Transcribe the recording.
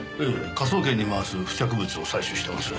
科捜研に回す付着物を採取してます。